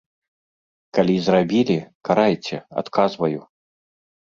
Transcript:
Калі зрабілі, карайце, адказваю.